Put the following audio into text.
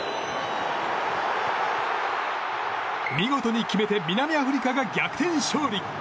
見事に決めて南アフリカが逆転勝利！